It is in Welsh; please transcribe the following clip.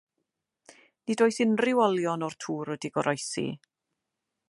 Nid oes unrhyw olion o'r tŵr wedi goroesi.